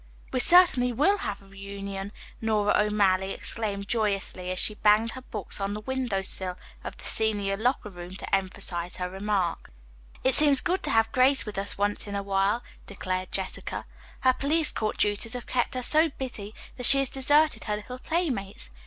"We certainly will have a reunion," Nora O'Malley exclaimed joyously, as she banged her books on the window sill of the senior locker room to emphasize her remark. "It seems good to have Grace with us once in a while," declared Jessica. "Her police court duties have kept her so busy that she has deserted her little playmates.